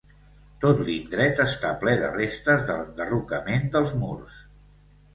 Tot l'indret està ple de restes de l'enderrocament dels murs.